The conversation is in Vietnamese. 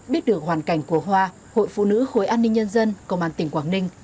biết được hoàn cảnh của hoa hội phụ nữ khối an ninh nhân dân công an tỉnh quảng ninh